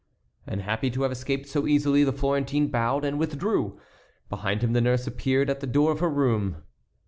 And happy to have escaped so easily the Florentine bowed and withdrew. Behind him the nurse appeared at the door of her room.